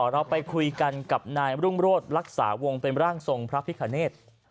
เราไปคุยกันกับนายรุ่งโรศรักษาวงเป็นร่างทรงพระพิคเนธ